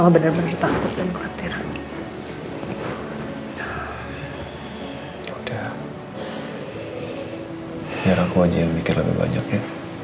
biar aku aja yang mikir lebih banyak ya